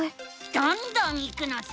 どんどんいくのさ！